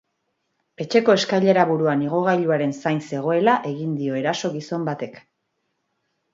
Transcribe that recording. Etxeko eskailera-buruan igogailuaren zain zegoela egin dio eraso gizon batek.